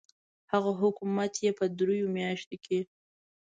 هغه حکومت چې په دریو میاشتو کې.